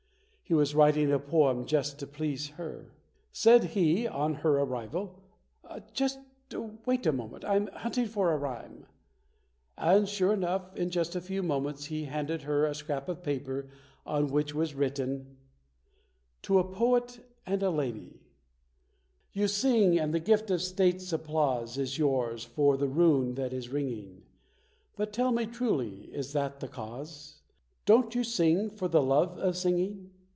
He was writing a poem just to please her. Said he on her arrival, "Just wait a moment, I'm hunting for a rhyme". And sure enough, in just a few moments he handed her a scrap of paper on which was written : TO A POET AND A LADY You sing, and the gift of State's applause Is yours for the rune that is ringing. But tell me truly, is that the cause ? Don't you sing for the love of singing?